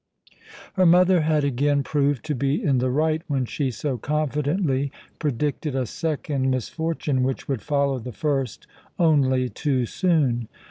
Her mother had again proved to be in the right when she so confidently predicted a second misfortune which would follow the first only too soon.